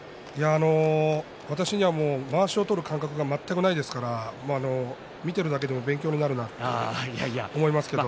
私にはまわしを取る感覚が全くないですから見ているだけでも勉強になるなと思いますけど。